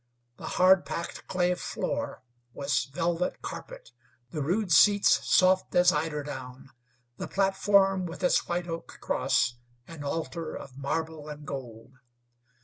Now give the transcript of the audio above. The hard packed clay floor was velvet carpet; the rude seats soft as eiderdown; the platform with its white oak cross, an altar of marble and gold.